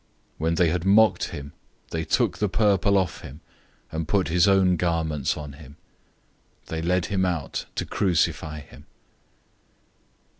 015:020 When they had mocked him, they took the purple off of him, and put his own garments on him. They led him out to crucify him.